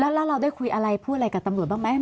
แล้วเราได้คุยอะไรพูดอะไรกับตำรวจบ้างไหม